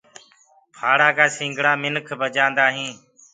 ڦآڙآ ڪآ سنگڙآ منک بجآندآ هينٚ۔